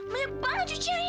banyak banget cuciannya